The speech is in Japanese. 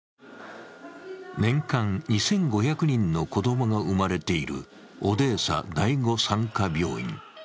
年間２５００人の子供が生まれているオデーサ第５産科病院。